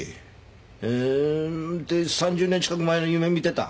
へえ３０年近く前の夢見てた？